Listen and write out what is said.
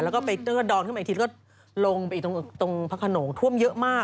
แล้วก็เดินขึ้นมาอีกทีแล้วก็ลงไปตรงพระขนมท่วมเยอะมาก